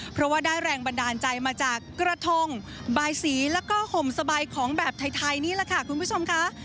เพราะว่าได้แรงบันดาลใจมาจากกระทงบายสีแล้วก็ห่มสบายของแบบไทยนี่แหละค่ะคุณผู้ชมค่ะ